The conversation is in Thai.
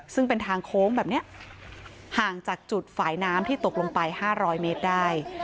ซึ่งเป็นทางโค้งแบบนี้ห่างจากจุดฝ่ายน้ำที่ตกลงไป๕๐๐เมตรได้